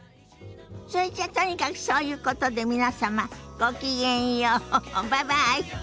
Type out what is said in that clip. それじゃとにかくそういうことで皆様ごきげんようバイバイ。